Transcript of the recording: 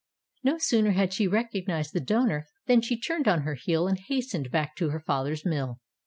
No sooner had she recognized the donor, than she turned on her heel, and hastened back to her father's mill.